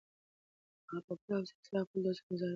هغه په پوره حوصلي سره د خپل دوست انتظار وکړ.